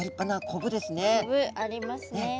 コブありますね。